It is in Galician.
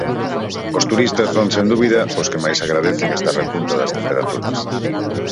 Os turistas son sen dúbida os que máis agradecen esta repunta das temperaturas.